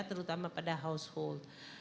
terutama pada household